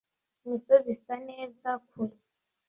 Imisozi isa neza kure.